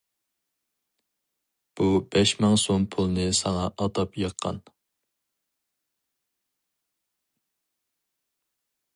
بۇ بەش مىڭ سوم پۇلنى ساڭا ئاتاپ يىغقان.